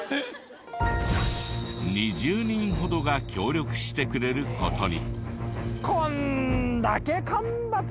２０人ほどが協力してくれる事に。